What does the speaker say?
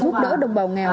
húc đỡ đồng bào nghèo